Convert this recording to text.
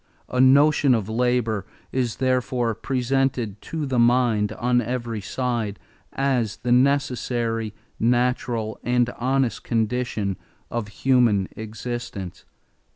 A notion of labor is therefore presented to the mind on every side as the necessary, natural, and honest condition of human existence."